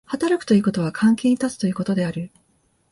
働くということは関係に立つということである。